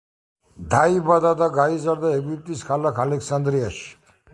დაიბადა და გაიზარდა ეგვიპტის ქალაქ ალექსანდრიაში.